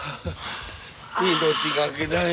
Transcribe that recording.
命がけだよ。